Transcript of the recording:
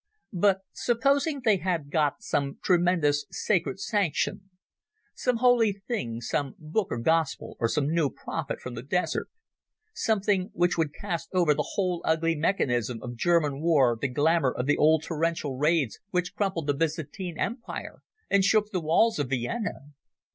But supposing they had got some tremendous sacred sanction—some holy thing, some book or gospel or some new prophet from the desert, something which would cast over the whole ugly mechanism of German war the glamour of the old torrential raids which crumpled the Byzantine Empire and shook the walls of Vienna?